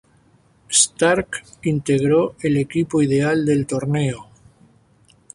Stark integró el equipo ideal del torneo.